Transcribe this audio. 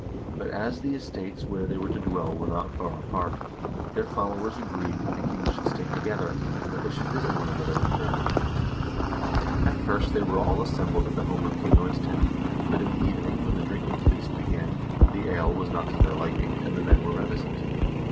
But as the estates where they were to dwell were not far apart, their followers agreed that the kings should stay together, and that they should visit one another in turn. At first they were all assembled at the home of King Eystein; but in the evening when the drinking feast began, the ale was not to their liking, and the men were reticent.